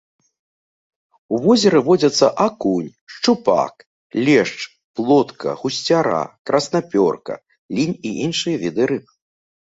У возеры водзяцца акунь, шчупак, лешч, плотка, гусцяра, краснапёрка, лінь і іншыя віды рыб.